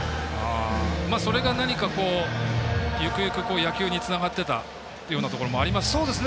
それが何かゆくゆく、野球につながってたようなこともありますか？